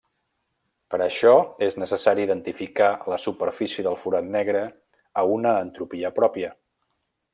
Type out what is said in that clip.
Per a això, és necessari identificar la superfície del forat negre a una entropia pròpia.